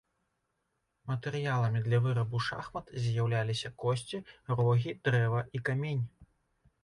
Матэрыяламі для вырабу шахмат з'яўляліся косці, рогі, дрэва і камень.